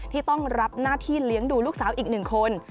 ที่ต้องรับหน้าที่เลี้ยงดูลูกสาวอีกหนึ่งคน